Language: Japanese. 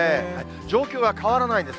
状況は変わらないんです。